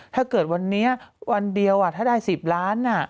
ถ้าเกิดวันนี้วันเดียวถ้าได้๑๐ล้าน